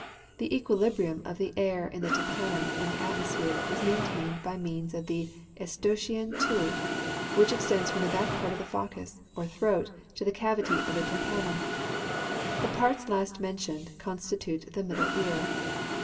The equilibrium of the air in the tympanum and atmosphere is maintained by the means of the Eustachian tube, which extends from the back part of the fauces, or throat, to the cavity of the tympanum. The parts last mentioned constitute the middle ear.